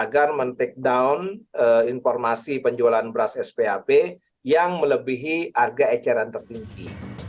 agar men take down informasi penjualan beras sphp yang melebihi harga eceran tertinggi